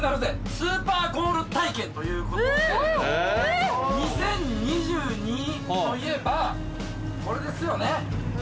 スーパーゴール体験！！ということで２０２２といえばこれですよね